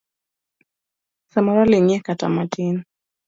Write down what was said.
Samoro ling'ie kata matin.